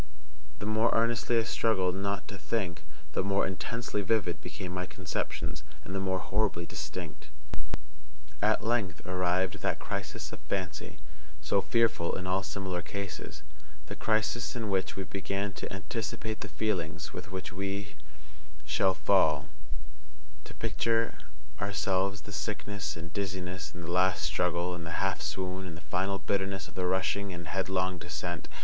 The more earnestly I struggled _not to think,_the more intensely vivid became my conceptions, and the more horribly distinct. At length arrived that crisis of fancy, so fearful in all similar cases, the crisis in which we began to anticipate the feelings with which we _shall_fall—to picture to ourselves the sickness, and dizziness, and the last struggle, and the half swoon, and the final bitterness of the rushing and headlong descent.